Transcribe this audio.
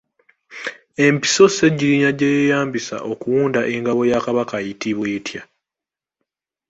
Empiso Ssegiriinya gye yeeyambisa okuwunda engabo ya Kabaka eyitibwa etya?